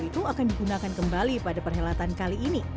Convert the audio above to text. itu akan digunakan kembali pada perhelatan kali ini